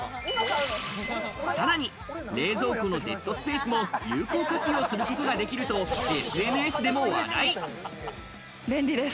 さらに冷蔵庫のデッドスペースも有効活用することができるとＳＮ便利です。